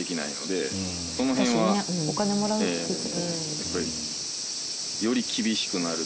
やっぱり。